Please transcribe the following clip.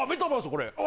これ。